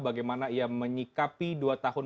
bagaimana ia menyikapi dua tahun